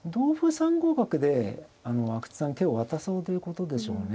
３五角で阿久津さんに手を渡そうということでしょうね。